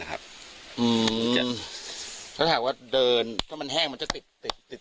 แหละครับอืมถ้าถามว่าเดินก็มันแห้งมันจะติดติดติด